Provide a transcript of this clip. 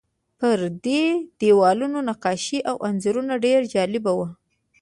پر دې دیوالونو نقاشۍ او انځورونه ډېر جالب وو.